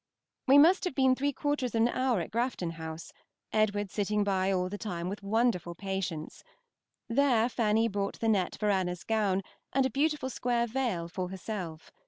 We must have been three quarters of an hour at Grafton House, Edward sitting by all the time with wonderful patience. There Fanny bought the net for Anna's gown, and a beautiful square veil for herself.